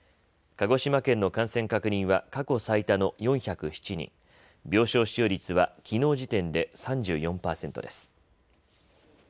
鹿児島県の感染確認は過去最多の４０７人、病床使用率はきのう時点で３４％です。